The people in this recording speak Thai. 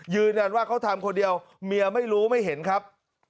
ยืนยันว่าเขาทำคนเดียวเมียไม่รู้ไม่เห็นครับ